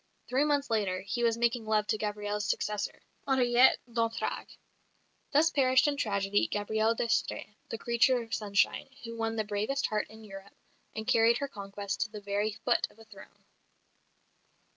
Three months later he was making love to Gabrielle's successor, Henriette d'Entragues! Thus perished in tragedy Gabrielle d'Estrées, the creature of sunshine, who won the bravest heart in Europe, and carried her conquest to the very foot of a throne.